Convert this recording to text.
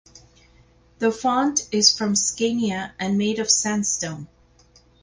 The font is from Scania and made of sandstone.